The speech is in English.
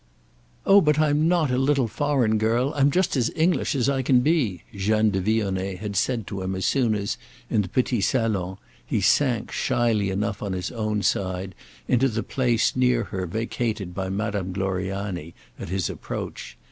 "Oh but I'm not a little foreign girl; I'm just as English as I can be," Jeanne de Vionnet had said to him as soon as, in the petit salon, he sank, shyly enough on his own side, into the place near her vacated by Madame Gloriani at his approach.